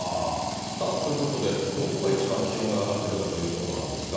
さあ、ということで、どこが一番気温が上がってるかということなんですが。